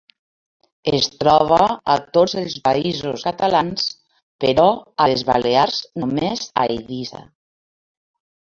Es troba atots els Països catalans però a les Balears només a Eivissa.